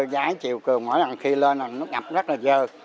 trái chiều cường mỗi lần khi lên là nó ngập rất là dơ